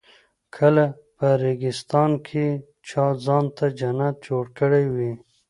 لکه په ریګستان کې چا ځان ته جنت جوړ کړی وي.